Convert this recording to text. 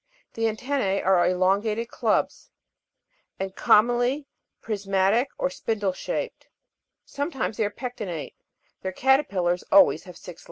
The antennoe are elongated clubs, and com monly prismatic or spindle shaped ; sometimes they are pectinate j their caterpillars always have six legs.